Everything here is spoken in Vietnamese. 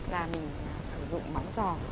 là mình sử dụng móng giò